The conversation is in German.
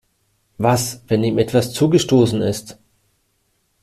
Was, wenn ihm etwas zugestoßen ist?